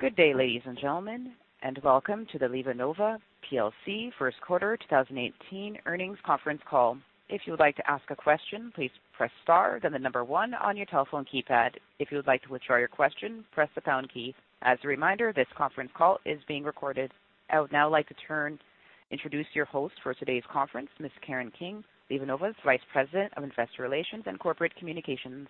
Good day, ladies and gentlemen, and welcome to the LivaNova PLC first quarter 2018 earnings conference call. If you would like to ask a question, please press star then the number 1 on your telephone keypad. If you would like to withdraw your question, press the pound key. As a reminder, this conference call is being recorded. I would now like to introduce your host for today's conference, Ms. Karen King, LivaNova's Vice President of Investor Relations and Corporate Communications.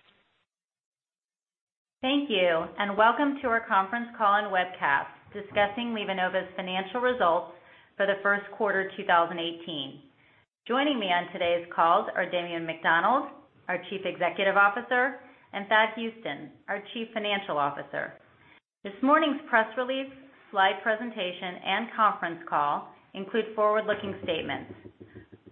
Thank you, welcome to our conference call and webcast discussing LivaNova's financial results for the first quarter 2018. Joining me on today's call are Damien McDonald, our Chief Executive Officer, and Thad Huston, our Chief Financial Officer. This morning's press release, slide presentation, and conference call include forward-looking statements.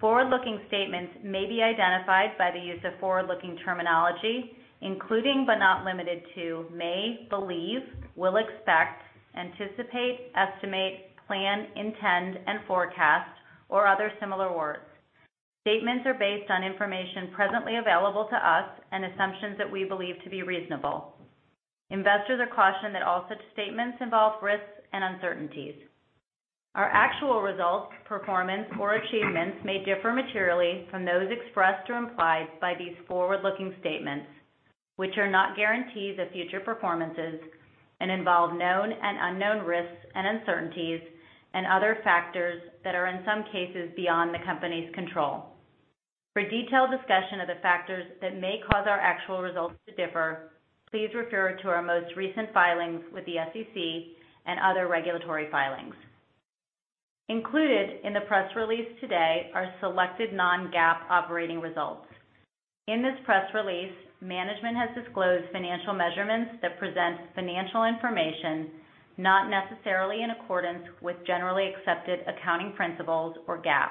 Forward-looking statements may be identified by the use of forward-looking terminology, including but not limited to, may, believe, will, expect, anticipate, estimate, plan, intend, and forecast, or other similar words. Statements are based on information presently available to us and assumptions that we believe to be reasonable. Investors are cautioned that all such statements involve risks and uncertainties. Our actual results, performance, or achievements may differ materially from those expressed or implied by these forward-looking statements, which are not guarantees of future performances, and involve known and unknown risks and uncertainties and other factors that are, in some cases, beyond the company's control. For a detailed discussion of the factors that may cause our actual results to differ, please refer to our most recent filings with the SEC and other regulatory filings. Included in the press release today are selected non-GAAP operating results. In this press release, management has disclosed financial measurements that present financial information not necessarily in accordance with generally accepted accounting principles, or GAAP.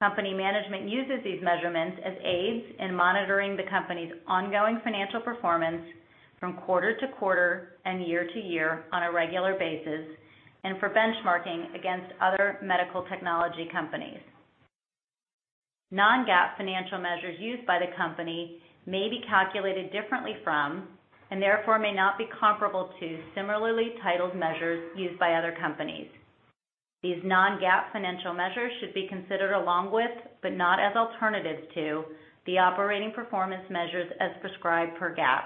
Company management uses these measurements as aids in monitoring the company's ongoing financial performance from quarter-to-quarter and year-to-year on a regular basis, and for benchmarking against other medical technology companies. Non-GAAP financial measures used by the company may be calculated differently from, and therefore may not be comparable to, similarly titled measures used by other companies. These non-GAAP financial measures should be considered along with, but not as alternatives to, the operating performance measures as prescribed per GAAP.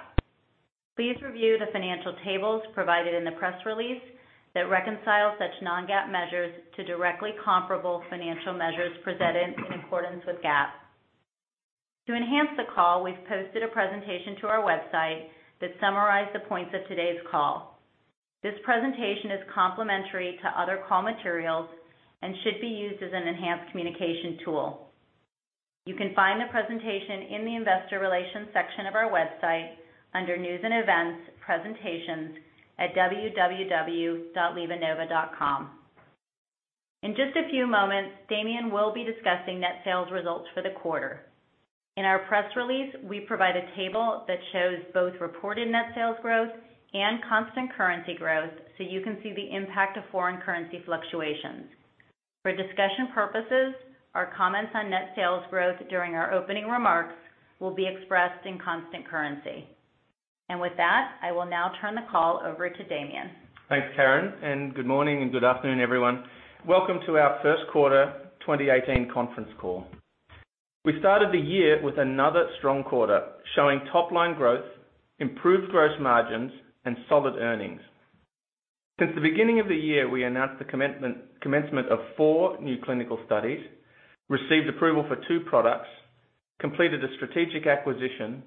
Please review the financial tables provided in the press release that reconcile such non-GAAP measures to directly comparable financial measures presented in accordance with GAAP. To enhance the call, we've posted a presentation to our website that summarize the points of today's call. This presentation is complementary to other call materials and should be used as an enhanced communication tool. You can find the presentation in the investor relations section of our website under news and events, presentations at www.livanova.com. In just a few moments, Damien will be discussing net sales results for the quarter. In our press release, we provide a table that shows both reported net sales growth and constant currency growth so you can see the impact of foreign currency fluctuations. For discussion purposes, our comments on net sales growth during our opening remarks will be expressed in constant currency. With that, I will now turn the call over to Damien. Thanks, Karen. Good morning and good afternoon, everyone. Welcome to our first quarter 2018 conference call. We started the year with another strong quarter, showing top-line growth, improved gross margins, and solid earnings. Since the beginning of the year, we announced the commencement of four new clinical studies, received approval for two products, completed a strategic acquisition,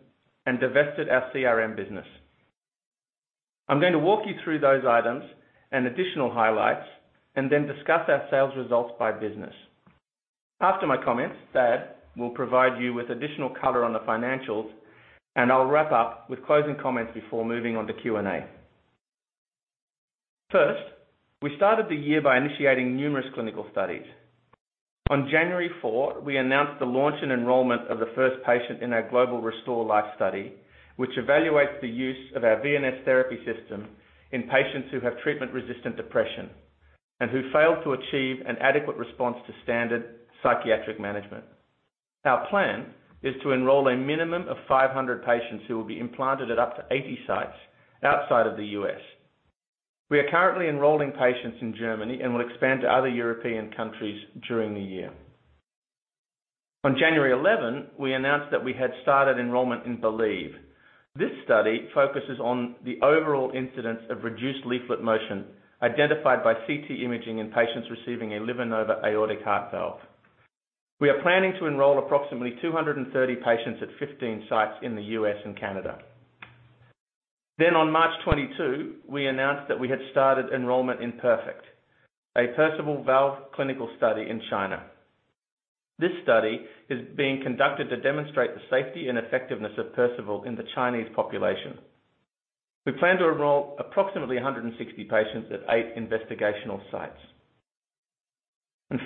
and divested our CRM business. I'm going to walk you through those items and additional highlights, discuss our sales results by business. After my comments, Thad will provide you with additional color on the financials, I'll wrap up with closing comments before moving on to Q&A. First, we started the year by initiating numerous clinical studies. On January 4, we announced the launch and enrollment of the first patient in our global RESTORE-LIFE study, which evaluates the use of our VNS Therapy System in patients who have treatment-resistant depression and who failed to achieve an adequate response to standard psychiatric management. Our plan is to enroll a minimum of 500 patients who will be implanted at up to 80 sites outside of the U.S. We are currently enrolling patients in Germany and will expand to other European countries during the year. On January 11, we announced that we had started enrollment in BELIEVE. This study focuses on the overall incidence of reduced leaflet motion identified by CT imaging in patients receiving a LivaNova aortic heart valve. We are planning to enroll approximately 230 patients at 15 sites in the U.S. and Canada. On March 22, we announced that we had started enrollment in PERFECT, a Perceval valve clinical study in China. This study is being conducted to demonstrate the safety and effectiveness of Perceval in the Chinese population. We plan to enroll approximately 160 patients at eight investigational sites.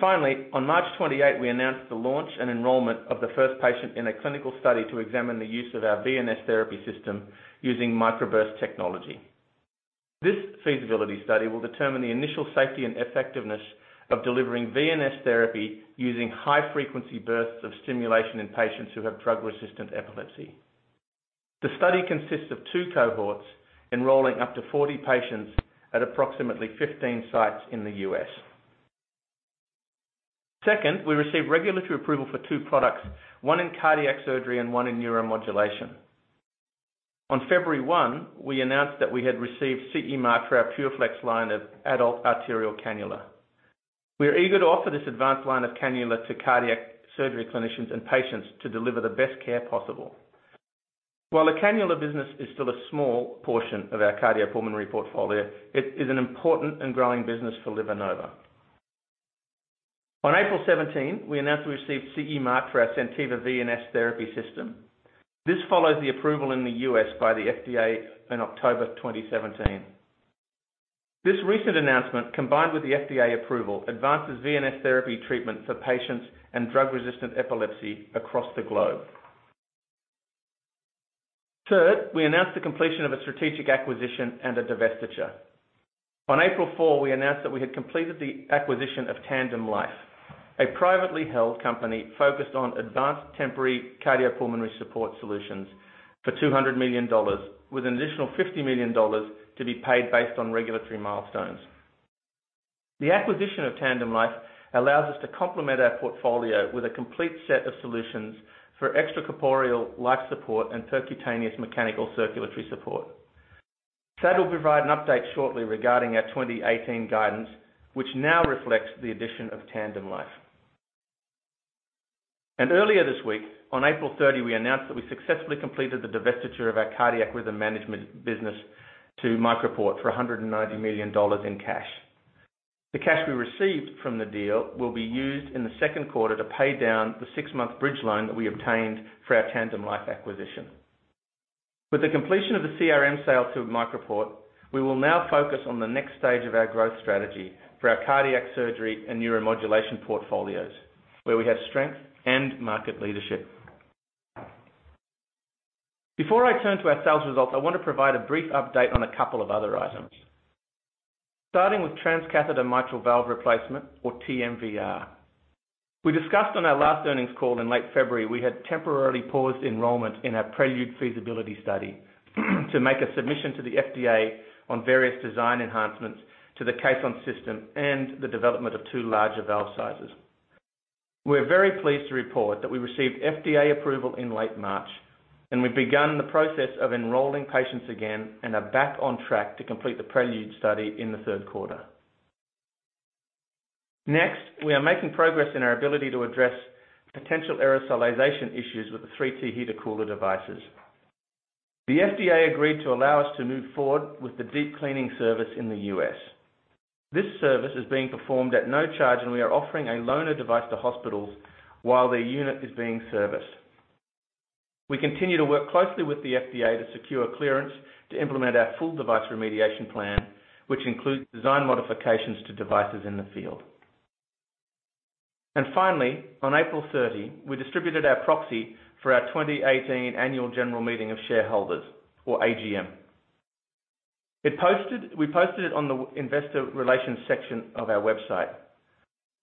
Finally, on March 28, we announced the launch and enrollment of the first patient in a clinical study to examine the use of our VNS Therapy System using MicroBurst technology. This feasibility study will determine the initial safety and effectiveness of delivering VNS Therapy using high-frequency bursts of stimulation in patients who have drug-resistant epilepsy. The study consists of two cohorts enrolling up to 40 patients at approximately 15 sites in the U.S. Second, we received regulatory approval for two products, one in cardiac surgery and one in Neuromodulation. On February 1, we announced that we had received CE mark for our PureFlex line of adult arterial cannula. We are eager to offer this advanced line of cannula to cardiac surgery clinicians and patients to deliver the best care possible. While the cannula business is still a small portion of our cardiopulmonary portfolio, it is an important and growing business for LivaNova. On April 17, we announced we received CE mark for our SenTiva VNS Therapy system. This follows the approval in the U.S. by the FDA in October 2017. This recent announcement, combined with the FDA approval, advances VNS Therapy treatment for patients and drug-resistant epilepsy across the globe. Third, we announced the completion of a strategic acquisition and a divestiture. On April 4, we announced that we had completed the acquisition of TandemLife, a privately held company focused on advanced temporary cardiopulmonary support solutions, for $200 million, with an additional $50 million to be paid based on regulatory milestones. The acquisition of TandemLife allows us to complement our portfolio with a complete set of solutions for extracorporeal life support and percutaneous mechanical circulatory support. Thad will provide an update shortly regarding our 2018 guidance, which now reflects the addition of TandemLife. Earlier this week, on April 30, we announced that we successfully completed the divestiture of our cardiac rhythm management business to MicroPort for $190 million in cash. The cash we received from the deal will be used in the second quarter to pay down the six-month bridge loan that we obtained for our TandemLife acquisition. With the completion of the CRM sale to MicroPort, we will now focus on the next stage of our growth strategy for our cardiac surgery and Neuromodulation portfolios, where we have strength and market leadership. Before I turn to our sales results, I want to provide a brief update on a couple of other items. Starting with transcatheter mitral valve replacement or TMVR. We discussed on our last earnings call in late February we had temporarily paused enrollment in our PRELUDE feasibility study to make a submission to the FDA on various design enhancements to the Caisson system and the development of two larger valve sizes. We're very pleased to report that we received FDA approval in late March, and we've begun the process of enrolling patients again and are back on track to complete the PRELUDE study in the third quarter. Next, we are making progress in our ability to address potential aerosolization issues with the 3T heater-cooler devices. The FDA agreed to allow us to move forward with the deep cleaning service in the U.S. This service is being performed at no charge, and we are offering a loaner device to hospitals while their unit is being serviced. We continue to work closely with the FDA to secure clearance to implement our full device remediation plan, which includes design modifications to devices in the field. Finally, on April 30, we distributed our proxy for our 2018 annual general meeting of shareholders or AGM. We posted it on the investor relations section of our website.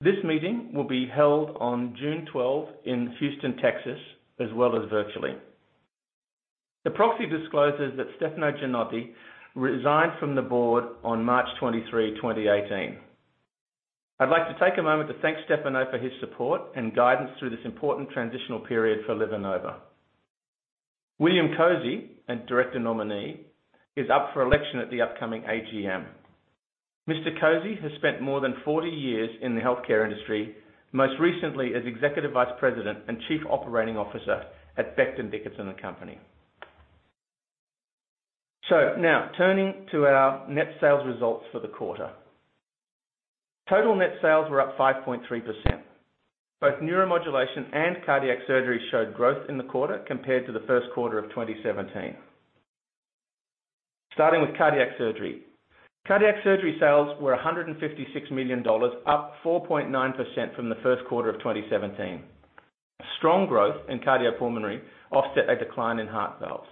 This meeting will be held on June 12 in Houston, Texas, as well as virtually. The proxy discloses that Stefano Gianotti resigned from the board on March 23, 2018. I'd like to take a moment to thank Stefano for his support and guidance through this important transitional period for LivaNova. William Kozy, a director nominee, is up for election at the upcoming AGM. Mr. Kozy has spent more than 40 years in the healthcare industry, most recently as Executive Vice President and Chief Operating Officer at Becton, Dickinson and Company. Now turning to our net sales results for the quarter. Total net sales were up 5.3%. Both Neuromodulation and cardiac surgery showed growth in the quarter compared to the first quarter of 2017. Starting with cardiac surgery. Cardiac surgery sales were $156 million, up 4.9% from the first quarter of 2017. Strong growth in cardiopulmonary offset a decline in heart valves.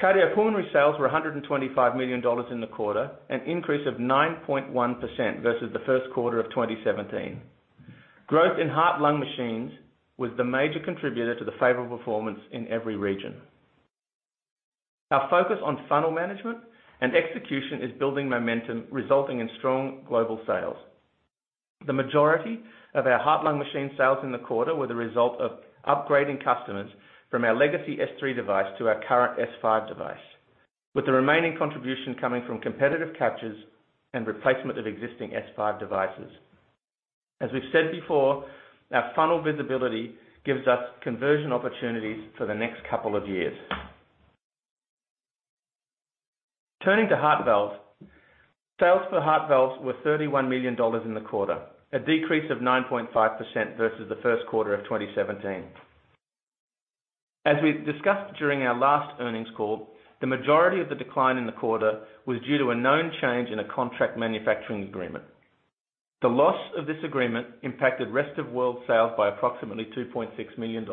Cardiopulmonary sales were $125 million in the quarter, an increase of 9.1% versus the first quarter of 2017. Growth in heart-lung machines was the major contributor to the favorable performance in every region. Our focus on funnel management and execution is building momentum, resulting in strong global sales. The majority of our heart-lung machine sales in the quarter were the result of upgrading customers from our legacy S3 device to our current S5 device, with the remaining contribution coming from competitive captures and replacement of existing S5 devices. As we've said before, our funnel visibility gives us conversion opportunities for the next couple of years. Turning to heart valves. Sales for heart valves were $31 million in the quarter, a decrease of 9.5% versus the first quarter of 2017. As we discussed during our last earnings call, the majority of the decline in the quarter was due to a known change in a contract manufacturing agreement. The loss of this agreement impacted rest-of-world sales by approximately $2.6 million.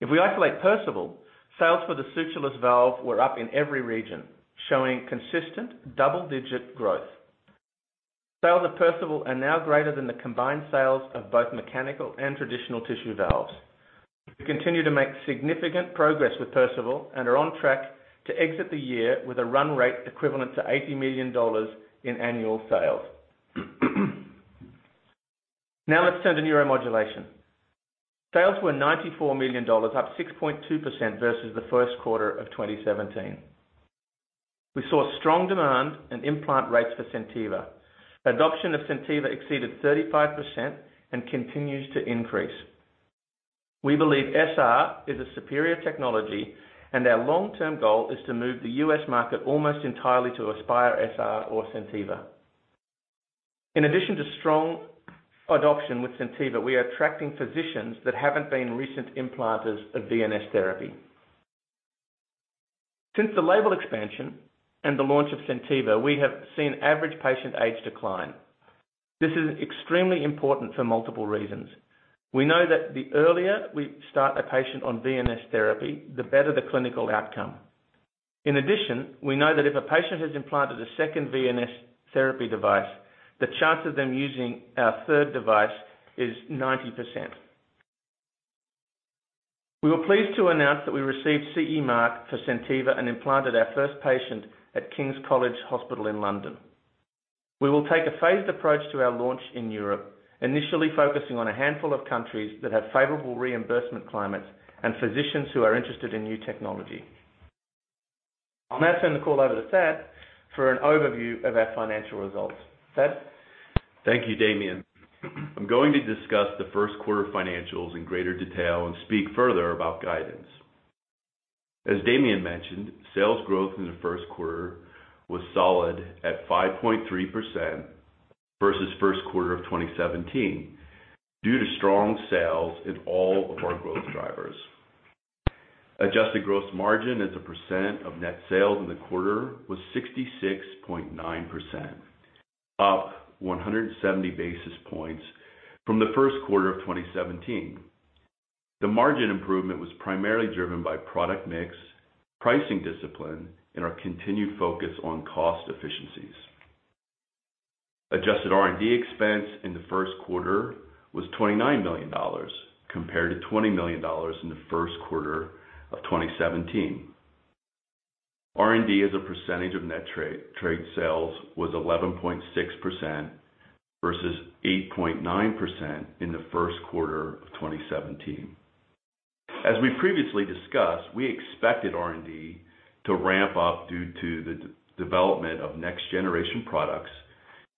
If we isolate Perceval, sales for the sutureless valve were up in every region, showing consistent double-digit growth. Sales of Perceval are now greater than the combined sales of both mechanical and traditional tissue valves. We continue to make significant progress with Perceval and are on track to exit the year with a run rate equivalent to $80 million in annual sales. Turning to Neuromodulation. Sales were $94 million, up 6.2% versus the first quarter of 2017. We saw strong demand and implant rates for SenTiva. Adoption of SenTiva exceeded 35% and continues to increase. We believe SR is a superior technology, and our long-term goal is to move the U.S. market almost entirely to AspireSR or SenTiva. In addition to strong adoption with SenTiva, we are attracting physicians that haven't been recent implanters of VNS therapy. Since the label expansion and the launch of SenTiva, we have seen average patient age decline. This is extremely important for multiple reasons. We know that the earlier we start a patient on VNS therapy, the better the clinical outcome. In addition, we know that if a patient has implanted a second VNS therapy device, the chance of them using our third device is 90%. We were pleased to announce that we received CE mark for SenTiva and implanted our first patient at King's College Hospital in London. We will take a phased approach to our launch in Europe, initially focusing on a handful of countries that have favorable reimbursement climates and physicians who are interested in new technology. I'll now turn the call over to Thad for an overview of our financial results. Thad? Thank you, Damien. I'm going to discuss the first quarter financials in greater detail and speak further about guidance. As Damien mentioned, sales growth in the first quarter was solid at 5.3% versus first quarter of 2017 due to strong sales in all of our growth drivers. Adjusted gross margin as a percent of net sales in the quarter was 66.9%, up 170 basis points from the first quarter of 2017. The margin improvement was primarily driven by product mix, pricing discipline, and our continued focus on cost efficiencies. Adjusted R&D expense in the first quarter was $29 million, compared to $20 million in the first quarter of 2017. R&D as a percentage of net trade sales was 11.6% versus 8.9% in the first quarter of 2017. As we previously discussed, we expected R&D to ramp up due to the development of next-generation products,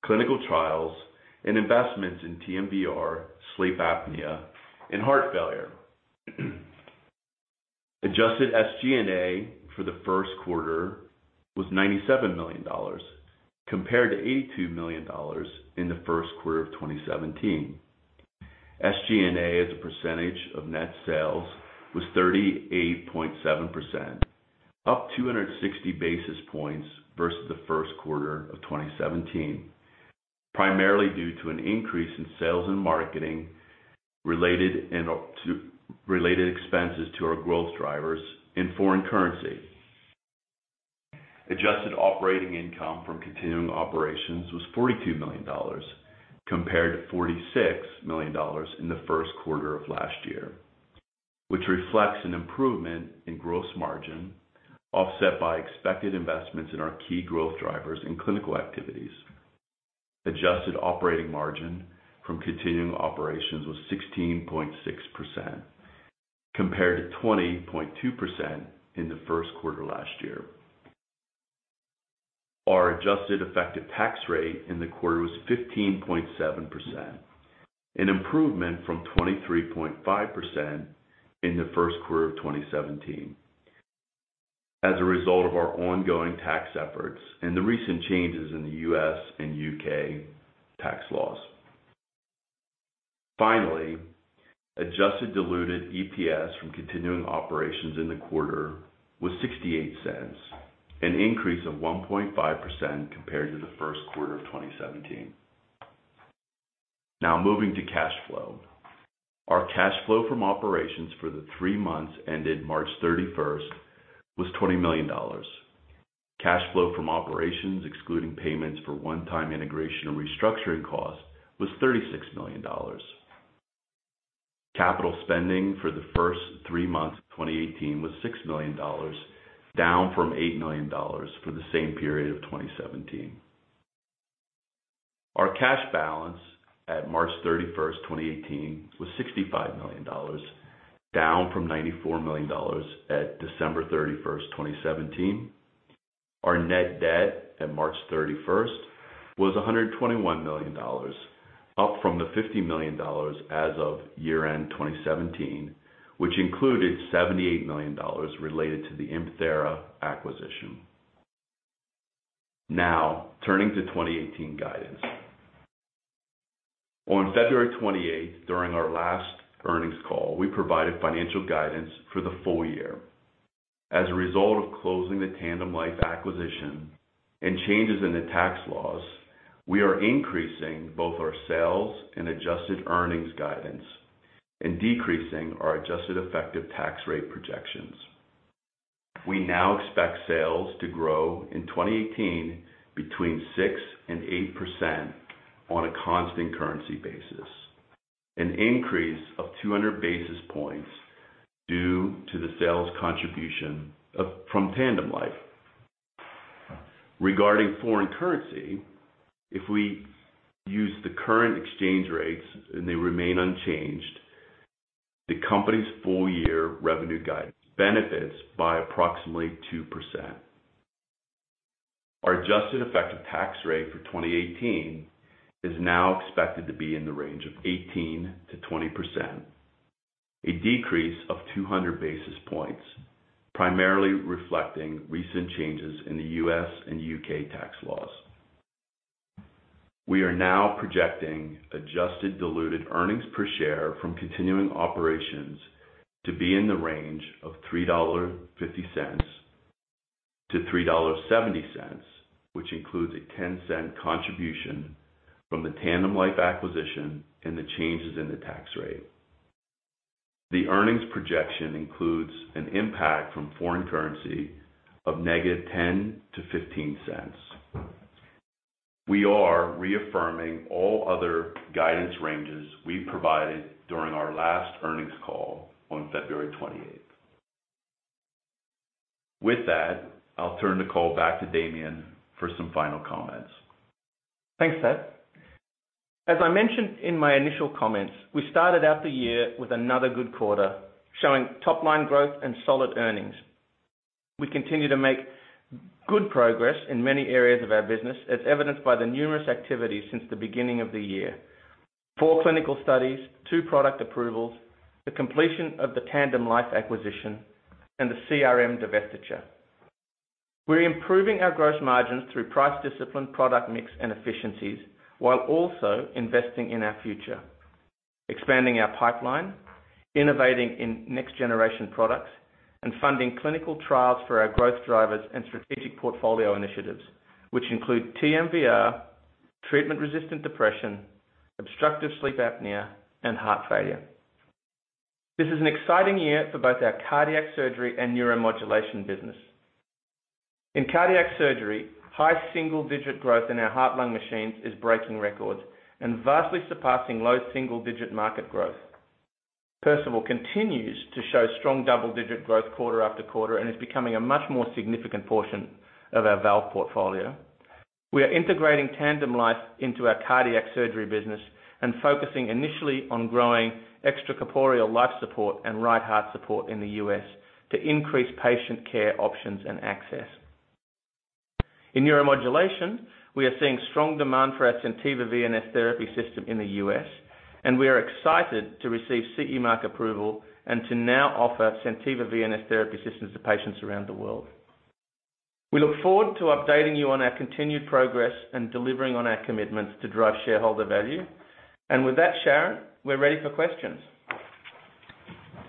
clinical trials, and investments in TMVR, sleep apnea, and heart failure. Adjusted SG&A for the first quarter was $97 million, compared to $82 million in the first quarter of 2017. SG&A as a percentage of net sales was 38.7%, up 260 basis points versus the first quarter of 2017, primarily due to an increase in sales and marketing related expenses to our growth drivers in foreign currency. Adjusted operating income from continuing operations was $42 million, compared to $46 million in the first quarter of last year, which reflects an improvement in gross margin offset by expected investments in our key growth drivers and clinical activities. Adjusted operating margin from continuing operations was 16.6%, compared to 20.2% in the first quarter last year. Our adjusted effective tax rate in the quarter was 15.7%, an improvement from 23.5% in the first quarter of 2017 as a result of our ongoing tax efforts and the recent changes in the U.S. and U.K. tax laws. Finally, adjusted diluted EPS from continuing operations in the quarter was $0.68, an increase of 1.5% compared to the first quarter of 2017. Now moving to cash flow. Our cash flow from operations for the three months ended March 31st was $20 million. Cash flow from operations, excluding payments for one-time integration and restructuring costs, was $36 million. Capital spending for the first three months of 2018 was $6 million, down from $8 million for the same period of 2017. Our cash balance at March 31st, 2018 was $65 million, down from $94 million at December 31st, 2017. Our net debt at March 31st was $121 million, up from the $50 million as of year-end 2017, which included $78 million related to the ImThera acquisition. Now turning to 2018 guidance. On February 28th, during our last earnings call, we provided financial guidance for the full year. As a result of closing the TandemLife acquisition and changes in the tax laws, we are increasing both our sales and adjusted earnings guidance and decreasing our adjusted effective tax rate projections. We now expect sales to grow in 2018 between 6% and 8% on a constant currency basis, an increase of 200 basis points due to the sales contribution from TandemLife. Regarding foreign currency, if we use the current exchange rates and they remain unchanged, the company's full year revenue guidance benefits by approximately 2%. Our adjusted effective tax rate for 2018 is now expected to be in the range of 18%-20%, a decrease of 200 basis points, primarily reflecting recent changes in the U.S. and U.K. tax laws. We are now projecting adjusted diluted earnings per share from continuing operations to be in the range of $3.50-$3.70, which includes a $0.10 contribution from the TandemLife acquisition and the changes in the tax rate. The earnings projection includes an impact from foreign currency of negative $0.10-$0.15. We are reaffirming all other guidance ranges we provided during our last earnings call on February 28th. With that, I'll turn the call back to Damien for some final comments. Thanks, Thad. As I mentioned in my initial comments, we started out the year with another good quarter, showing top-line growth and solid earnings. We continue to make good progress in many areas of our business, as evidenced by the numerous activities since the beginning of the year: four clinical studies, two product approvals, the completion of the TandemLife acquisition, and the CRM divestiture. We're improving our gross margins through price discipline, product mix, and efficiencies, while also investing in our future, expanding our pipeline, innovating in next-generation products, and funding clinical trials for our growth drivers and strategic portfolio initiatives, which include TMVR, treatment-resistant depression, obstructive sleep apnea, and heart failure. This is an exciting year for both our cardiac surgery and Neuromodulation business. In cardiac surgery, high single-digit growth in our heart-lung machines is breaking records and vastly surpassing low double-digit market growth. Perceval continues to show strong double-digit growth quarter after quarter and is becoming a much more significant portion of our valve portfolio. We are integrating TandemLife into our cardiac surgery business and focusing initially on growing extracorporeal life support and right heart support in the U.S. to increase patient care options and access. In Neuromodulation, we are seeing strong demand for our SenTiva VNS Therapy System in the U.S., and we are excited to receive CE mark approval and to now offer SenTiva VNS Therapy Systems to patients around the world. We look forward to updating you on our continued progress and delivering on our commitments to drive shareholder value. With that, Sharon, we're ready for questions.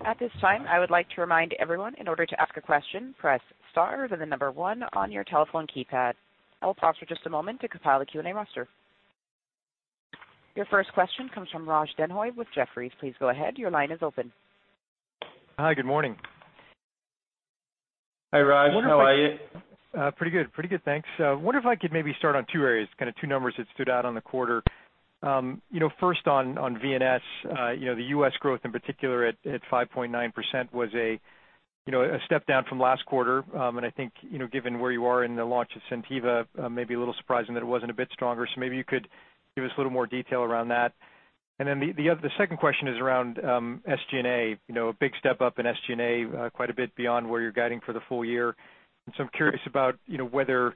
At this time, I would like to remind everyone, in order to ask a question, press star, then the number one on your telephone keypad. I will pause for just a moment to compile a Q&A roster. Your first question comes from Raj Denhoy with Jefferies. Please go ahead. Your line is open. Hi. Good morning. Hi, Raj. How are you? Pretty good. Thanks. I wonder if I could maybe start on two areas, kind of two numbers that stood out in the quarter. First on VNS, the U.S. growth, in particular at 5.9%, was a step down from last quarter, and I think, given where you are in the launch of SenTiva, maybe a little surprising that it wasn't a bit stronger. Maybe you could give us a little more detail around that. The second question is around SG&A. A big step up in SG&A, quite a bit beyond where you're guiding for the full year. I'm curious about whether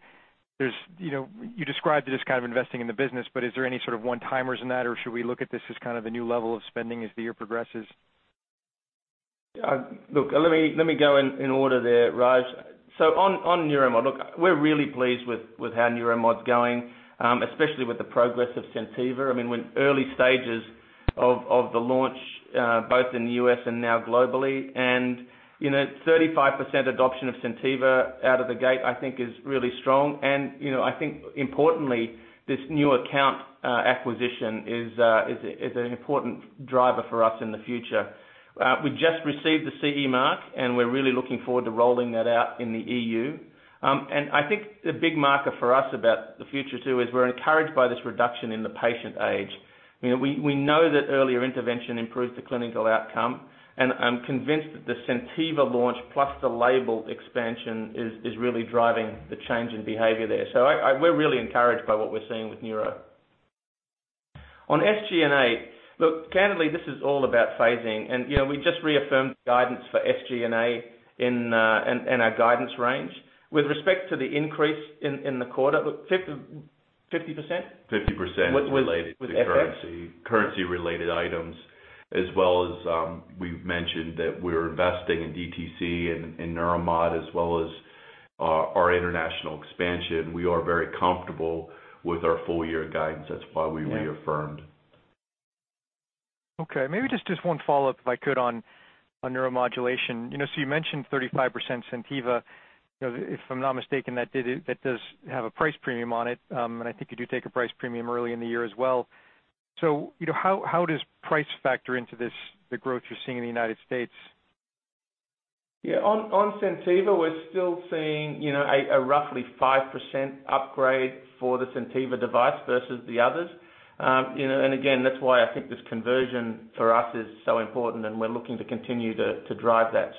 there's-- You described it as kind of investing in the business, but is there any sort of one-timers in that? Should we look at this as kind of a new level of spending as the year progresses? Look, let me go in order there, Raj. On Neuromodulation, look, we're really pleased with how Neuromodulation's going, especially with the progress of SenTiva. We're in early stages of the launch, both in the U.S. and now globally. 35% adoption of SenTiva out of the gate, I think is really strong. I think importantly, this new account acquisition is an important driver for us in the future. We just received the CE mark, and we're really looking forward to rolling that out in the EU. I think the big marker for us about the future, too, is we're encouraged by this reduction in the patient age. We know that earlier intervention improves the clinical outcome, and I'm convinced that the SenTiva launch plus the label expansion is really driving the change in behavior there. We're really encouraged by what we're seeing with Neuro. On SG&A, look, candidly, this is all about phasing. We just reaffirmed guidance for SG&A in our guidance range. With respect to the increase in the quarter, 50%? 50% related to currency. With FX. Currency-related items, as well as we've mentioned that we're investing in DTC and Neuromodulation, as well as our international expansion. We are very comfortable with our full-year guidance. That's why we reaffirmed. Okay, maybe just one follow-up, if I could, on Neuromodulation. You mentioned 35% SenTiva. If I'm not mistaken, that does have a price premium on it, and I think you do take a price premium early in the year as well. How does price factor into the growth you're seeing in the United States? Yeah. On SenTiva, we're still seeing a roughly 5% upgrade for the SenTiva device versus the others. Again, that's why I think this conversion for us is so important, and we're looking to continue to drive that.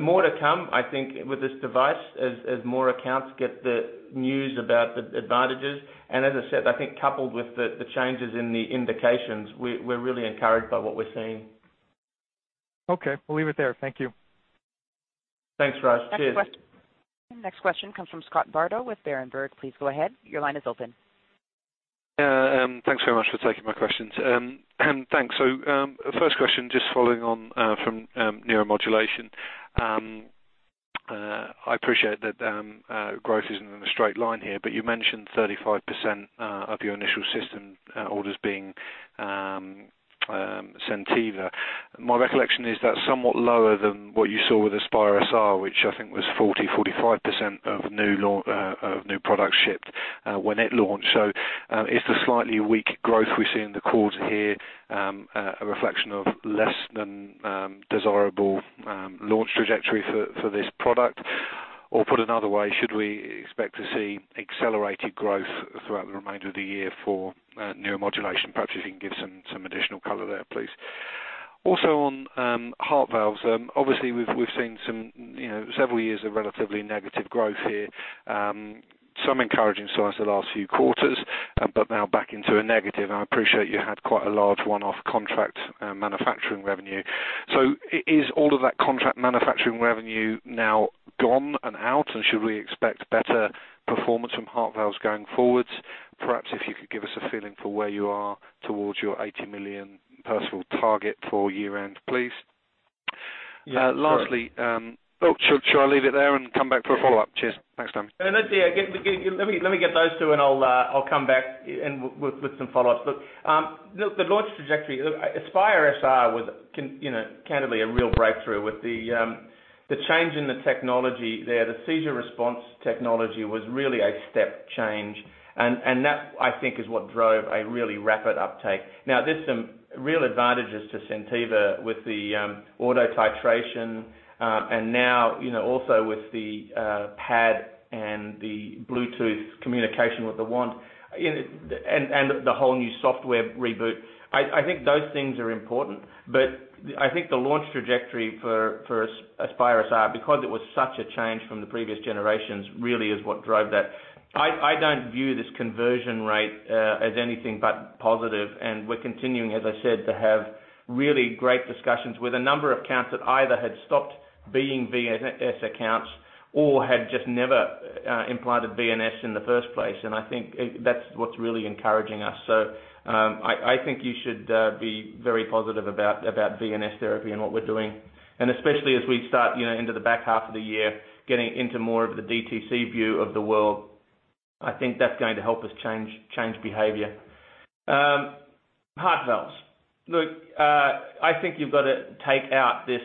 More to come, I think, with this device as more accounts get the news about the advantages. As I said, I think coupled with the changes in the indications, we're really encouraged by what we're seeing. Okay. We'll leave it there. Thank you. Thanks, Raj. Cheers. Next question comes from Scott Bardo with Berenberg. Please go ahead. Your line is open. Thanks very much for taking my questions. Thanks. First question, just following on from Neuromodulation. I appreciate that growth isn't in a straight line here, but you mentioned 35% of your initial system orders being SenTiva. My recollection is that's somewhat lower than what you saw with AspireSR, which I think was 40%, 45% of new products shipped when it launched. Is the slightly weak growth we see in the quarter here a reflection of less than desirable launch trajectory for this product? Or put another way, should we expect to see accelerated growth throughout the remainder of the year for Neuromodulation? Perhaps you can give some additional color there, please. Also, on heart valves, obviously we've seen several years of relatively negative growth here. Some encouraging signs the last few quarters, but now back into a negative. I appreciate you had quite a large one-off contract manufacturing revenue. Is all of that contract manufacturing revenue now gone and out, and should we expect better performance from heart valves going forward? Perhaps if you could give us a feeling for where you are towards your $80 million Perceval target for year-end, please. Yeah. Should I leave it there and come back for a follow-up? Cheers. Thanks, Tom. Let me get those two, and I'll come back with some follow-ups. Look, the launch trajectory, AspireSR was candidly a real breakthrough with the change in the technology there. The seizure response technology was really a step change, and that, I think, is what drove a really rapid uptake. Now, there's some real advantages to SenTiva with the auto titration, and now also with the pad and the Bluetooth communication with the wand, and the whole new software reboot. I think those things are important. I think the launch trajectory for AspireSR, because it was such a change from the previous generations, really is what drove that. I don't view this conversion rate as anything but positive. We're continuing, as I said, to have really great discussions with a number of accounts that either had stopped being VNS accounts or had just never implanted VNS in the first place. I think that's what's really encouraging us. I think you should be very positive about VNS Therapy and what we're doing, and especially as we start into the back half of the year, getting into more of the DTC view of the world. I think that's going to help us change behavior. Heart valves. Look, I think you've got to take out this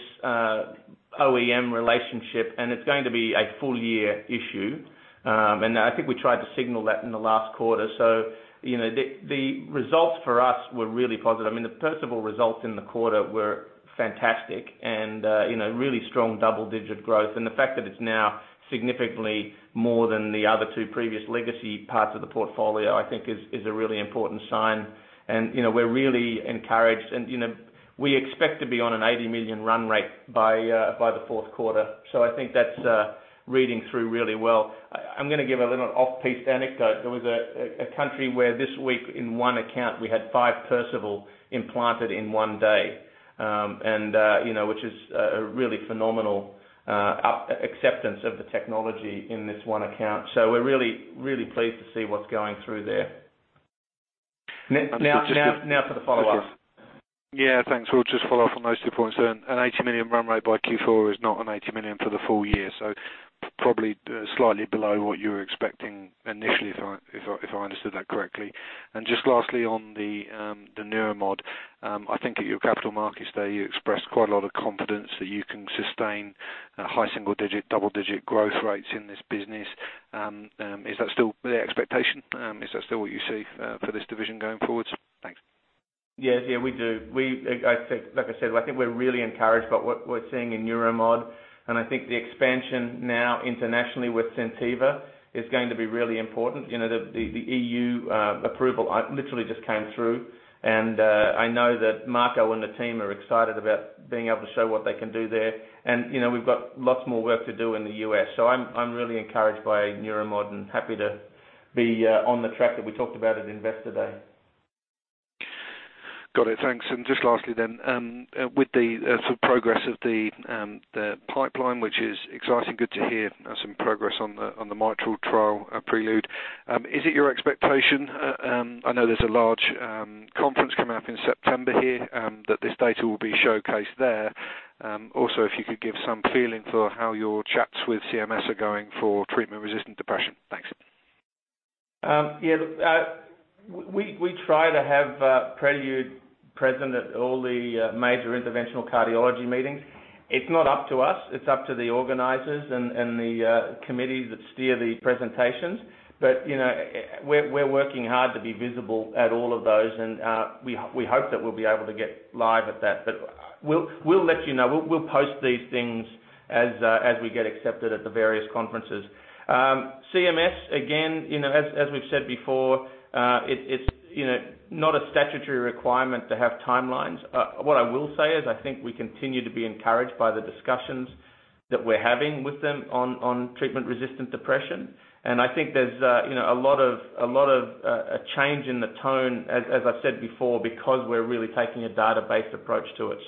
OEM relationship. It's going to be a full-year issue. I think we tried to signal that in the last quarter. The results for us were really positive. I mean, the Perceval results in the quarter were fantastic and really strong double-digit growth. The fact that it's now significantly more than the other two previous legacy parts of the portfolio, I think is a really important sign, and we're really encouraged. We expect to be on an $80 million run rate by the fourth quarter. I think that's reading through really well. I'm going to give a little off-piste anecdote. There was a country where this week in one account, we had five Perceval implanted in one day, which is a really phenomenal acceptance of the technology in this one account. We're really, really pleased to see what's going through there. Now for the follow-up. Yeah, thanks. We'll just follow up on those two points then. An $80 million run rate by Q4 is not an $80 million for the full year, probably slightly below what you were expecting initially, if I understood that correctly. Just lastly, on the Neuromodulation, I think at your Capital Markets Day, you expressed quite a lot of confidence that you can sustain high single-digit, double-digit growth rates in this business. Is that still the expectation? Is that still what you see for this division going forward? Thanks. Yeah, we do. Like I said, I think we're really encouraged by what we're seeing in Neuromodulation. I think the expansion now internationally with SenTiva is going to be really important. The EU approval literally just came through. I know that Marco and the team are excited about being able to show what they can do there. We've got lots more work to do in the U.S. I'm really encouraged by Neuromodulation and happy to be on the track that we talked about at Investor Day. Got it. Thanks. Just lastly, with the progress of the pipeline, which is exciting, good to hear some progress on the mitral trial, PRELUDE. Is it your expectation, I know there's a large conference coming up in September here, that this data will be showcased there? Also, if you could give some feeling for how your chats with CMS are going for treatment-resistant depression. Thanks. Yeah. We try to have PRELUDE present at all the major interventional cardiology meetings. It's not up to us, it's up to the organizers and the committees that steer the presentations. We're working hard to be visible at all of those. We hope that we'll be able to get live at that. We'll let you know. We'll post these things as we get accepted at the various conferences. CMS, again, as we've said before, it's not a statutory requirement to have timelines. What I will say is, I think we continue to be encouraged by the discussions that we're having with them on treatment-resistant depression. I think there's a lot of change in the tone, as I've said before, because we're really taking a database approach to it.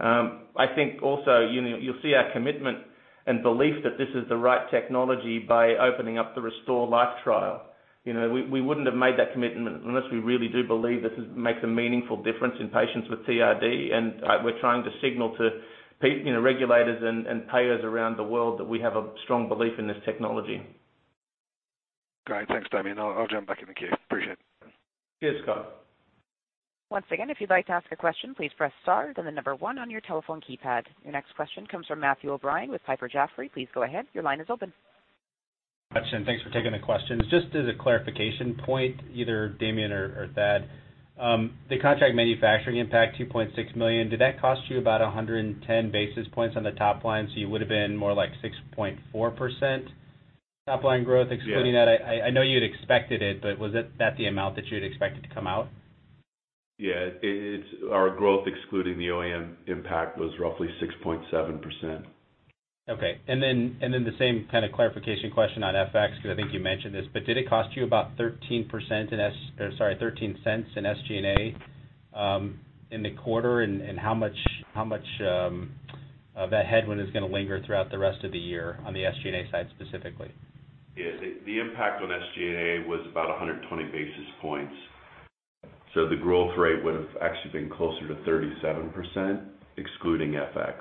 I think also, you'll see our commitment and belief that this is the right technology by opening up the RESTORE-LIFE trial. We wouldn't have made that commitment unless we really do believe this makes a meaningful difference in patients with TRD. We're trying to signal to regulators and payers around the world that we have a strong belief in this technology. Great. Thanks, Damien. I'll jump back in the queue. Appreciate it. Cheers, Scott. Once again, if you'd like to ask a question, please press star, then the number one on your telephone keypad. Your next question comes from Matthew O'Brien with Piper Jaffray. Please go ahead. Your line is open. Much. Thanks for taking the questions. Just as a clarification point, either Damien or Thad. The contract manufacturing impact, $2.6 million, did that cost you about 110 basis points on the top line? You would've been more like 6.4% top-line growth excluding that? Yeah. I know you'd expected it, was that the amount that you had expected to come out? Yeah. Our growth excluding the OEM impact was roughly 6.7%. Okay. The same kind of clarification question on FX, because I think you mentioned this, but did it cost you about $0.13 in SG&A in the quarter? How much of that headwind is going to linger throughout the rest of the year on the SG&A side specifically? Yes. The impact on SG&A was about 120 basis points. The growth rate would've actually been closer to 37%, excluding FX.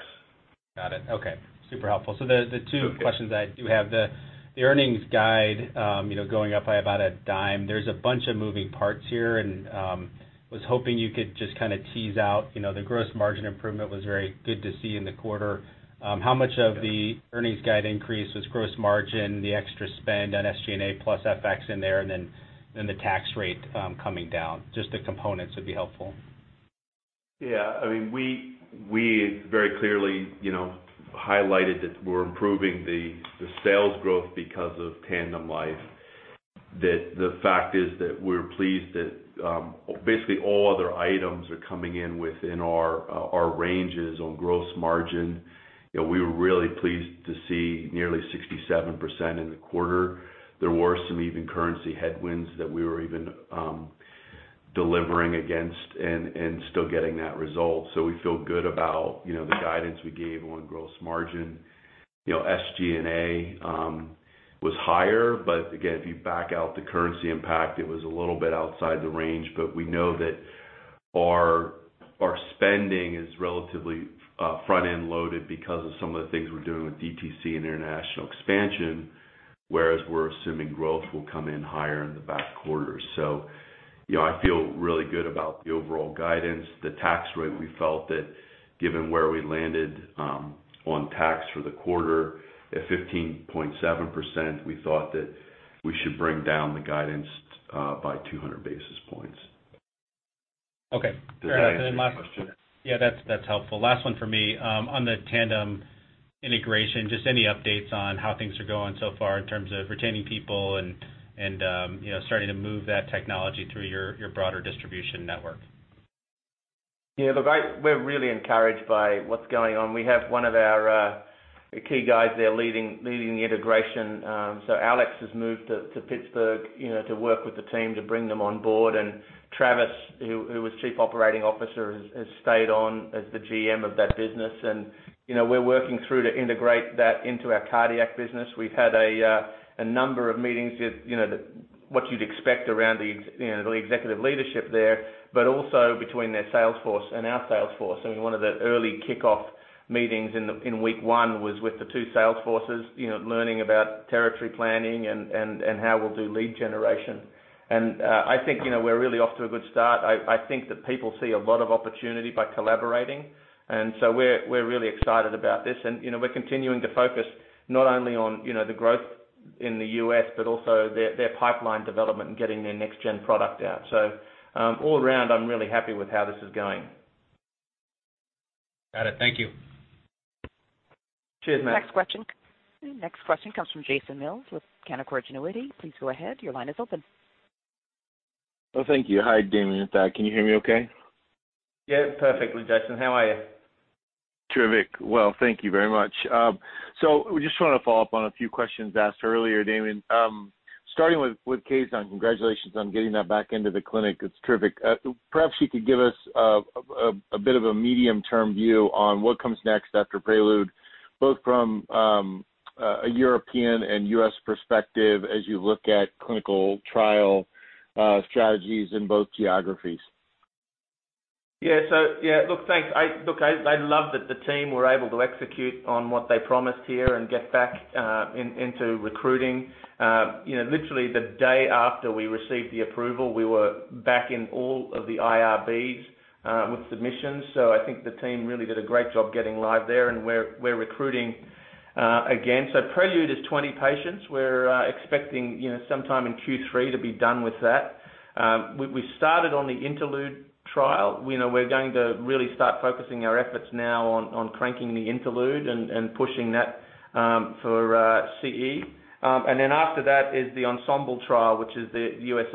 Got it. Okay. Super helpful. Okay questions that I do have. The earnings guide going up by about $0.10. There's a bunch of moving parts here, and was hoping you could just tease out. The gross margin improvement was very good to see in the quarter. How much of the earnings guide increase was gross margin, the extra spend on SG&A plus FX in there, and then the tax rate coming down? Just the components would be helpful. Yeah. We very clearly highlighted that we're improving the sales growth because of TandemLife. The fact is that we're pleased that basically all other items are coming in within our ranges on gross margin. We were really pleased to see nearly 67% in the quarter. There were some even currency headwinds that we were even delivering against and still getting that result. We feel good about the guidance we gave on gross margin. SG&A was higher, but again, if you back out the currency impact, it was a little bit outside the range. We know that our spending is relatively front-end loaded because of some of the things we're doing with DTC and international expansion, whereas we're assuming growth will come in higher in the back quarters. I feel really good about the overall guidance. The tax rate, we felt that given where we landed on tax for the quarter at 15.7%, we thought that we should bring down the guidance by 200 basis points. Okay. Fair enough. Does that answer your question? Yeah, that's helpful. Last one for me. On the Tandem integration, just any updates on how things are going so far in terms of retaining people and starting to move that technology through your broader distribution network? Yeah, look, we're really encouraged by what's going on. We have one of our key guys there leading the integration. Alex has moved to Pittsburgh to work with the team to bring them on board. Travis, who was chief operating officer, has stayed on as the GM of that business. We're working through to integrate that into our cardiac business. We've had a number of meetings, what you'd expect around the executive leadership there, but also between their sales force and our sales force. One of the early kickoff meetings in week one was with the two sales forces, learning about territory planning and how we'll do lead generation. I think we're really off to a good start. I think that people see a lot of opportunity by collaborating, we're really excited about this. We're continuing to focus not only on the growth in the U.S., but also their pipeline development and getting their next-gen product out. All around, I'm really happy with how this is going. Got it. Thank you. Cheers, Matt. Next question. Next question comes from Jason Mills with Canaccord Genuity. Please go ahead. Your line is open. Thank you. Hi, Damien and Thad. Can you hear me okay? Yeah, perfectly, Jason. How are you? Terrific. Well, thank you very much. Just want to follow up on a few questions asked earlier, Damien. Starting with Caisson, congratulations on getting that back into the clinic. It's terrific. Perhaps you could give us a bit of a medium-term view on what comes next after PRELUDE, both from a European and U.S. perspective as you look at clinical trial strategies in both geographies. Yeah. Look, thanks. Look, I love that the team were able to execute on what they promised here and get back into recruiting. Literally the day after we received the approval, we were back in all of the IRBs with submissions. I think the team really did a great job getting live there, and we're recruiting again. PRELUDE is 20 patients. We're expecting sometime in Q3 to be done with that. We started on the INTERLUDE trial. We're going to really start focusing our efforts now on cranking the INTERLUDE and pushing that for CE. After that is the ENSEMBLE trial, which is the U.S.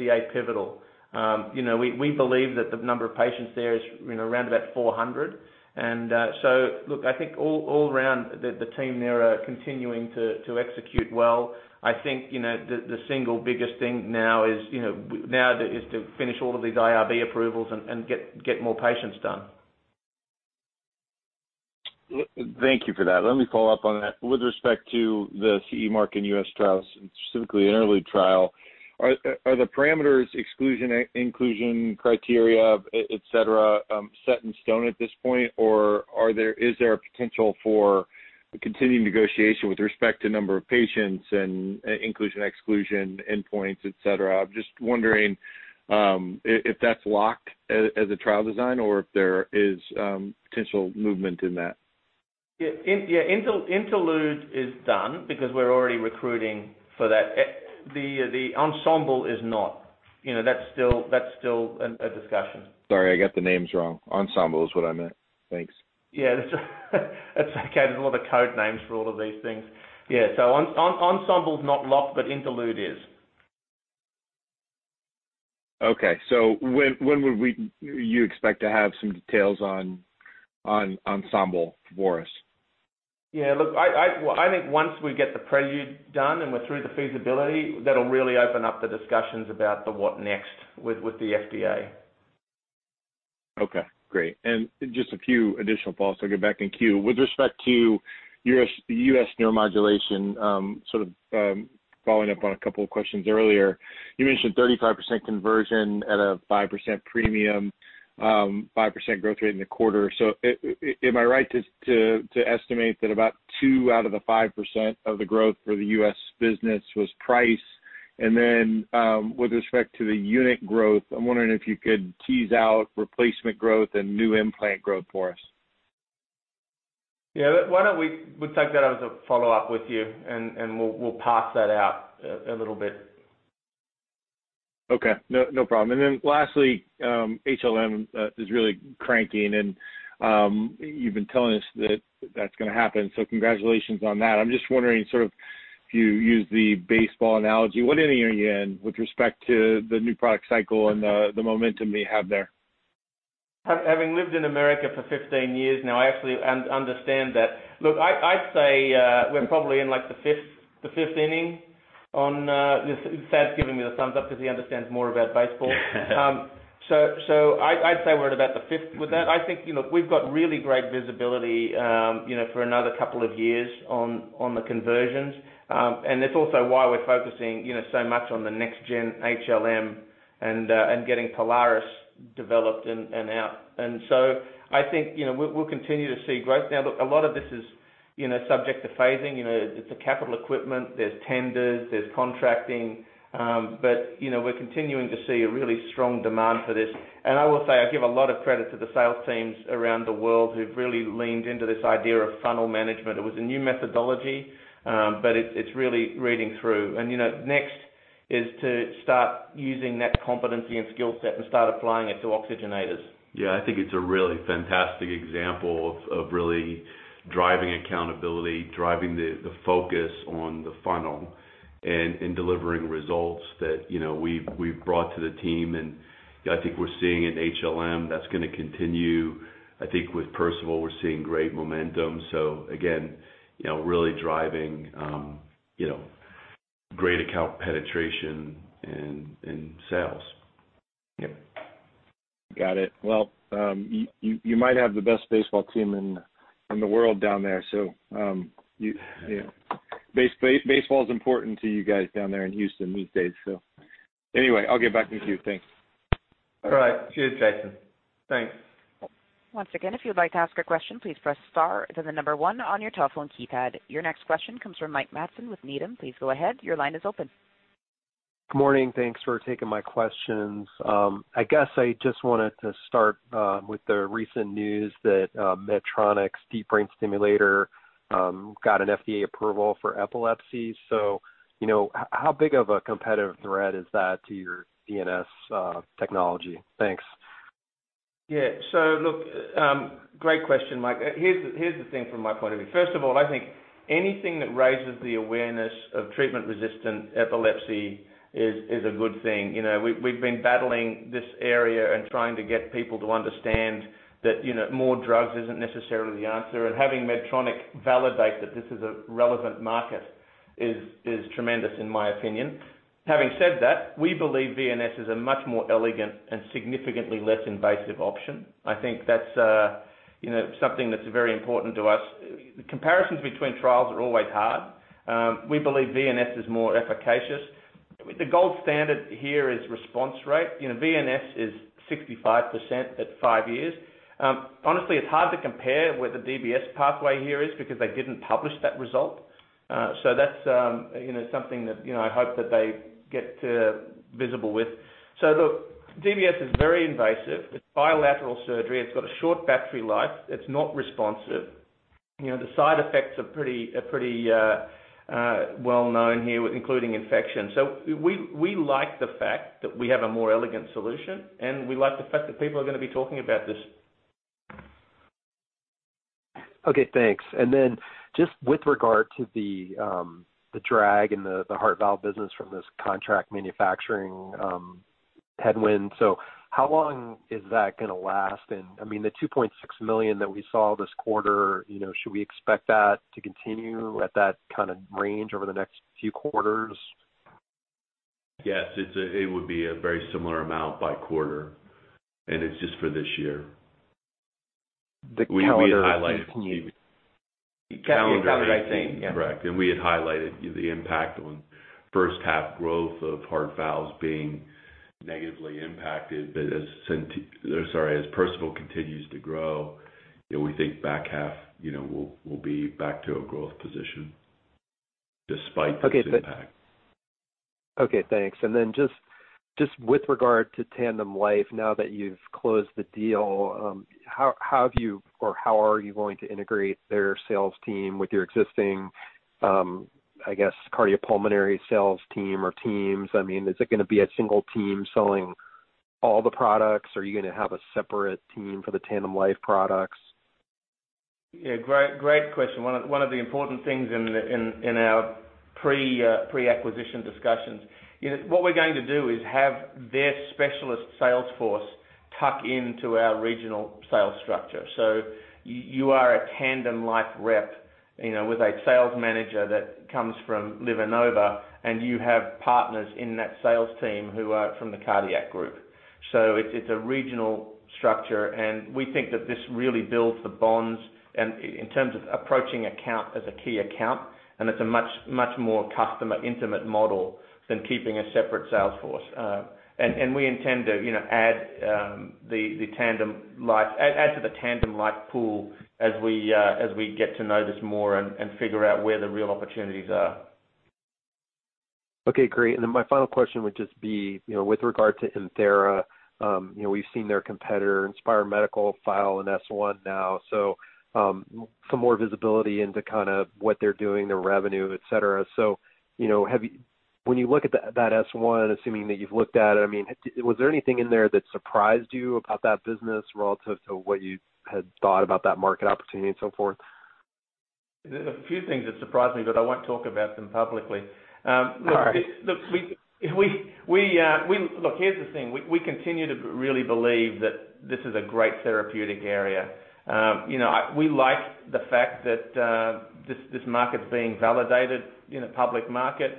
FDA pivotal. We believe that the number of patients there is around about 400. Look, I think all around, the team there are continuing to execute well. I think, the single biggest thing now is to finish all of these IRB approvals and get more patients done. Thank you for that. Let me follow up on that. With respect to the CE mark in U.S. trials, specifically INTERLUDE trial, are the parameters, exclusion, inclusion criteria, et cetera, set in stone at this point, or is there a potential for continuing negotiation with respect to number of patients and inclusion, exclusion, endpoints, et cetera? I'm just wondering if that's locked as a trial design or if there is potential movement in that. Yeah. INTERLUDE is done because we're already recruiting for that. The ENSEMBLE is not. That's still a discussion. Sorry, I got the names wrong. ENSEMBLE is what I meant. Thanks. Yeah. That's okay. There's a lot of code names for all of these things. Yeah. ENSEMBLE's not locked, but INTERLUDE is. Okay. When would you expect to have some details on ENSEMBLE for us? Yeah. Look, I think once we get the PRELUDE done and we're through the feasibility, that'll really open up the discussions about the what next with the FDA. Okay, great. Just a few additional follow-ups, I'll get back in queue. With respect to U.S. Neuromodulation, sort of following up on a couple of questions earlier. You mentioned 35% conversion at a 5% premium, 5% growth rate in the quarter. Am I right to estimate that about two out of the 5% of the growth for the U.S. business was price? With respect to the unit growth, I'm wondering if you could tease out replacement growth and new implant growth for us. Yeah. Why don't we take that as a follow-up with you, and we'll parse that out a little bit. Okay. No problem. Lastly, HLM is really cranking, and you've been telling us that that's going to happen. Congratulations on that. I'm just wondering sort of, if you use the baseball analogy, what inning are you in with respect to the new product cycle and the momentum you have there? Having lived in the U.S. for 15 years now, I actually understand that. Look, I'd say we're probably in like the fifth inning on Thad's giving me the thumbs up because he understands more about baseball. I'd say we're at about the fifth with that. I think we've got really great visibility for another couple of years on the conversions. That's also why we're focusing so much on the next gen HLM and getting Polaris developed and out. I think, we'll continue to see growth. Now, look, a lot of this is subject to phasing. It's a capital equipment. There's tenders, there's contracting. We're continuing to see a really strong demand for this. I will say, I give a lot of credit to the sales teams around the world who've really leaned into this idea of funnel management. It was a new methodology, but it's really reading through. Next is to start using that competency and skill set and start applying it to oxygenators. I think it's a really fantastic example of really driving accountability, driving the focus on the funnel, and in delivering results that we've brought to the team. I think we're seeing in HLM, that's gonna continue. I think with Perceval, we're seeing great momentum. Again, really driving great account penetration and sales. Got it. Well, you might have the best baseball team in the world down there. Baseball's important to you guys down there in Houston these days. Anyway, I'll get back in queue. Thanks. All right. Cheers, Jason. Thanks. Once again, if you would like to ask a question, please press star, then the number one on your telephone keypad. Your next question comes from Mike Matson with Needham. Please go ahead. Your line is open. Good morning. Thanks for taking my questions. I guess I just wanted to start with the recent news that Medtronic's deep brain stimulator got an FDA approval for epilepsy. How big of a competitive threat is that to your VNS Therapy System? Thanks. Great question, Mike. Here's the thing from my point of view. First of all, I think anything that raises the awareness of treatment-resistant epilepsy is a good thing. We've been battling this area and trying to get people to understand that more drugs isn't necessarily the answer, and having Medtronic validate that this is a relevant market is tremendous in my opinion. Having said that, we believe VNS is a much more elegant and significantly less invasive option. I think that's something that's very important to us. Comparisons between trials are always hard. We believe VNS is more efficacious. The gold standard here is response rate. VNS is 65% at five years. Honestly, it's hard to compare where the DBS pathway here is because they didn't publish that result. That's something that I hope that they get visible with. DBS is very invasive. It's bilateral surgery. It's got a short battery life. It's not responsive. The side effects are pretty well-known here, including infection. We like the fact that we have a more elegant solution, and we like the fact that people are going to be talking about this. Okay, thanks. With regard to the drag and the heart valve business from this contract manufacturing headwind, how long is that going to last? The $2.6 million that we saw this quarter, should we expect that to continue at that kind of range over the next few quarters? Yes, it would be a very similar amount by quarter, it's just for this year. The calendar 2018. Calendar 2018, correct. We had highlighted the impact on first half growth of heart valves being negatively impacted. As Perceval continues to grow, we think back half will be back to a growth position despite this impact. Okay, thanks. Just with regard to TandemLife, now that you've closed the deal, how have you or how are you going to integrate their sales team with your existing, I guess, cardiopulmonary sales team or teams? Is it going to be a single team selling all the products? Are you going to have a separate team for the TandemLife products? Yeah. Great question. One of the important things in our pre-acquisition discussions. What we're going to do is have their specialist sales force tuck into our regional sales structure. You are a TandemLife rep, with a sales manager that comes from LivaNova, and you have partners in that sales team who are from the cardiac group. It's a regional structure, and we think that this really builds the bonds and in terms of approaching account as a key account, and it's a much more customer intimate model than keeping a separate sales force. We intend to add to the TandemLife pool as we get to know this more and figure out where the real opportunities are. Okay, great. My final question would just be, with regard to ImThera, we've seen their competitor, Inspire Medical, file an S1 now. Some more visibility into kind of what they're doing, their revenue, et cetera. When you look at that S1, assuming that you've looked at it, was there anything in there that surprised you about that business relative to what you had thought about that market opportunity and so forth? There's a few things that surprised me, but I won't talk about them publicly. All right. Look, here's the thing. We continue to really believe that this is a great therapeutic area. We like the fact that this market's being validated in a public market.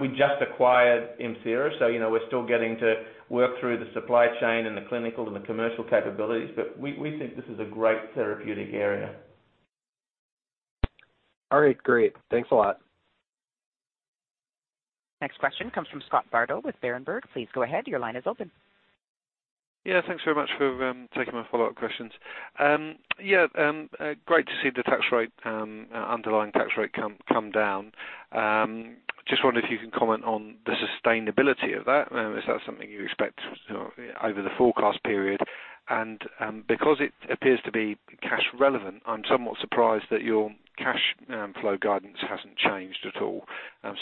We just acquired ImThera, so we're still getting to work through the supply chain and the clinical and the commercial capabilities, but we think this is a great therapeutic area. All right, great. Thanks a lot. Next question comes from Scott Bardo with Berenberg. Please go ahead. Your line is open. Yeah, thanks very much for taking my follow-up questions. Yeah, great to see the underlying tax rate come down. Just wonder if you can comment on the sustainability of that. Is that something you expect over the forecast period? Because it appears to be cash relevant, I'm somewhat surprised that your cash flow guidance hasn't changed at all.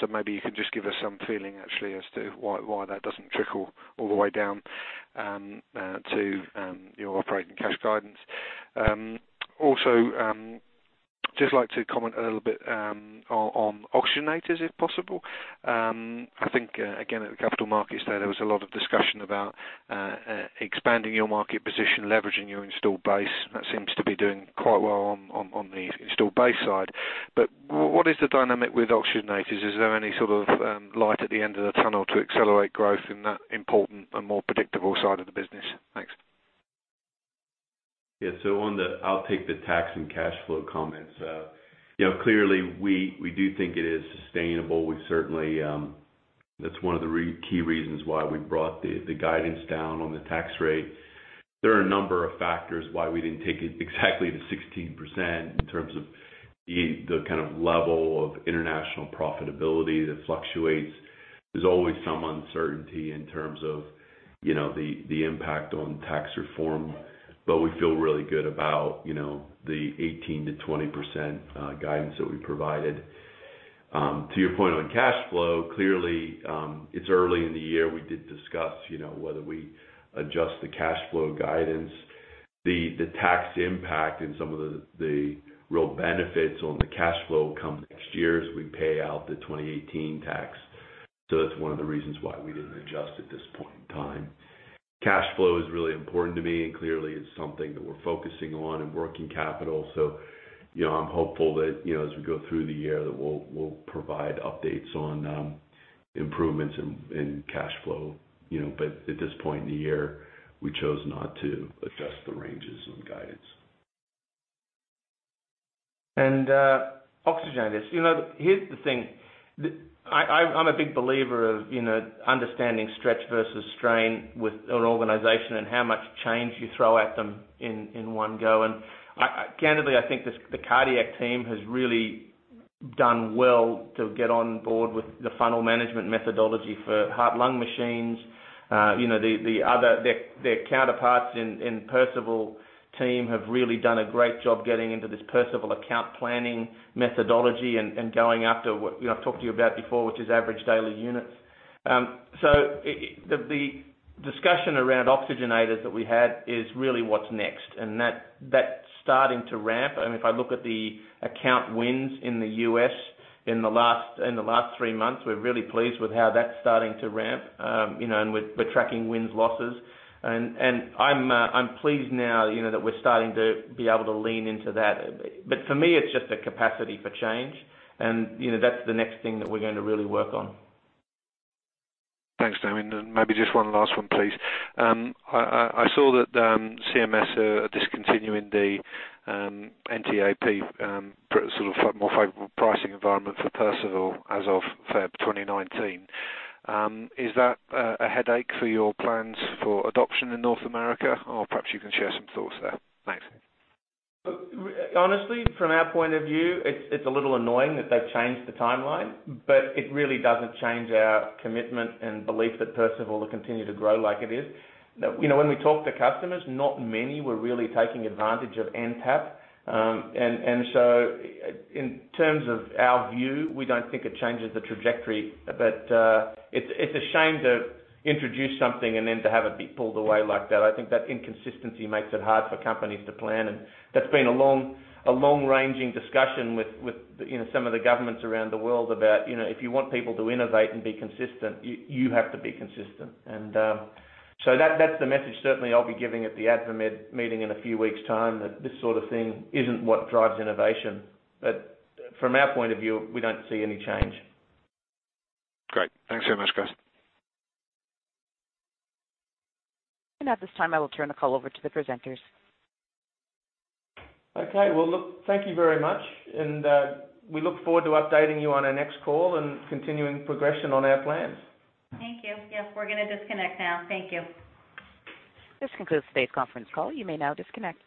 Maybe you can just give us some feeling actually as to why that doesn't trickle all the way down to your operating cash guidance. Also, just like to comment a little bit on oxygenators, if possible. I think, again, at the Capital Markets Day, there was a lot of discussion about expanding your market position, leveraging your installed base. That seems to be doing quite well on the installed base side. What is the dynamic with oxygenators? Is there any sort of light at the end of the tunnel to accelerate growth in that important and more predictable side of the business? Thanks. Yeah. I'll take the tax and cash flow comments. Clearly, we do think it is sustainable. That's one of the key reasons why we brought the guidance down on the tax rate. There are a number of factors why we didn't take it exactly to 16% in terms of the kind of level of international profitability that fluctuates. There's always some uncertainty in terms of the impact on tax reform, but we feel really good about the 18%-20% guidance that we provided. To your point on cash flow, clearly, it's early in the year. We did discuss whether we adjust the cash flow guidance. The tax impact and some of the real benefits on the cash flow come next year as we pay out the 2018 tax. That's one of the reasons why we didn't adjust at this point in time. Cash flow is really important to me, and clearly, it's something that we're focusing on in working capital. I'm hopeful that as we go through the year that we'll provide updates on improvements in cash flow. At this point in the year, we chose not to adjust the ranges on guidance. Oxygenators. Here's the thing. I'm a big believer of understanding stretch versus strain with an organization and how much change you throw at them in one go. Candidly, I think the cardiac team has really done well to get on board with the funnel management methodology for heart-lung machines. Their counterparts in Perceval team have really done a great job getting into this Perceval account planning methodology and going after what I've talked to you about before, which is average daily units. The discussion around oxygenators that we had is really what's next, and that's starting to ramp. If I look at the account wins in the U.S. in the last three months, we're really pleased with how that's starting to ramp, and we're tracking wins, losses. I'm pleased now that we're starting to be able to lean into that. For me, it's just a capacity for change, and that's the next thing that we're going to really work on. Thanks, Damien. Maybe just one last one, please. I saw that CMS are discontinuing the NTAP, sort of more favorable pricing environment for Perceval as of February 2019. Is that a headache for your plans for adoption in North America? Perhaps you can share some thoughts there. Thanks. Honestly, from our point of view, it's a little annoying that they've changed the timeline, but it really doesn't change our commitment and belief that Perceval will continue to grow like it is. When we talk to customers, not many were really taking advantage of NTAP. In terms of our view, we don't think it changes the trajectory. It's a shame to introduce something and then to have it be pulled away like that. I think that inconsistency makes it hard for companies to plan, and that's been a long-ranging discussion with some of the governments around the world about if you want people to innovate and be consistent, you have to be consistent. That's the message certainly I'll be giving at the AdvaMed meeting in a few weeks' time, that this sort of thing isn't what drives innovation. From our point of view, we don't see any change. Great. Thanks very much, guys. At this time, I will turn the call over to the presenters. Okay. Well, look, thank you very much, and we look forward to updating you on our next call and continuing progression on our plans. Thank you. Yes, we're going to disconnect now. Thank you. This concludes today's conference call. You may now disconnect.